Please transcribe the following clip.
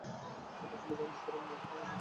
এটা ছিল কেবলমাত্র মহানাদ।